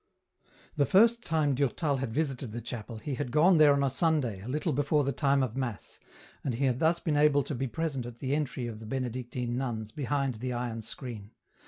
The first time Durtal had visited the chapel, he had gone there on Sunday a little before the time of Mass, and he had been thus able to be present at the entry of the Benedictine nuns, behind the iron screen.